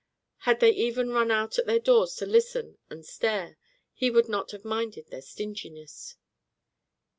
Had they even run out at their doors to listen and stare, he would not have minded their stinginess.